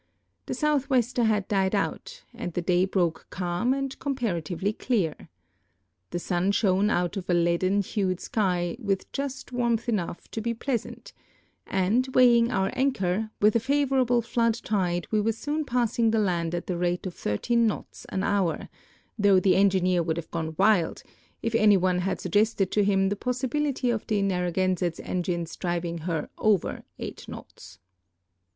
The southwester had died out, and the day broke calm and comparatively^ clear. The sun shone out of a leaden hued sky with just warmth enough to ])q pleas ant, and, woigliing our anchor, with a favoral)le flood tide we were soon i)assing the land at the rate of 13 knots an liour, tliougli the engineer would have gone wild if anyone had sug gested to him the possibility of the Xdrnu/dUftctftt engines driv ing her over 8 knots.